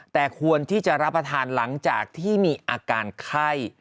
แต่ควรที่จะรับประทานหลังจากที่มีอาการไข้